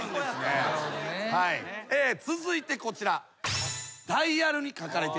続いてこちら。